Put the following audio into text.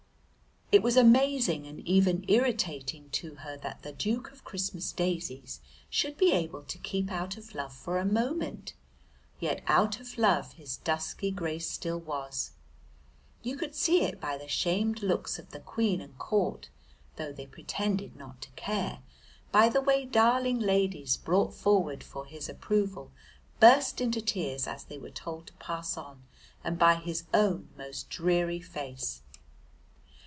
It was amazing and even irritating to her that the Duke of Christmas Daisies should be able to keep out of love for a moment: yet out of love his dusky grace still was: you could see it by the shamed looks of the Queen and court (though they pretended not to care), by the way darling ladies brought forward for his approval burst into tears as they were told to pass on, and by his own most dreary face.